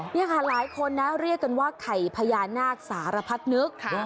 นี่ค่ะหลายคนนะเรียกกันว่าไข่พญานาคสารพัดนึก